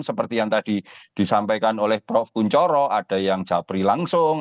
seperti yang tadi disampaikan oleh prof kunchoro ada yang japri langsung